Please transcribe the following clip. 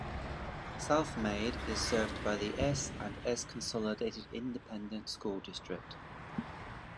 Southmayd is served by the S and S Consolidated Independent School District.